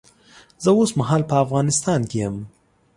زه اوس مهال په افغانستان کې یم